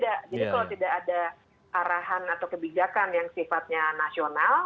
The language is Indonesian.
jadi kalau tidak ada arahan atau kebijakan yang sifatnya nasional